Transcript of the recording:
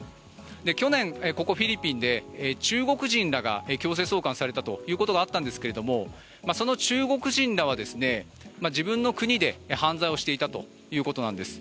去年、ここフィリピンで中国人らが強制送還されたということがあったんですがその中国人らは自分の国で犯罪をしていたということなんです。